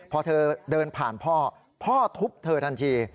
พอเธอเดินผ่านพ่อพ่อทุบเธอทันที